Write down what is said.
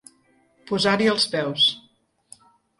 Posar-hi els peus.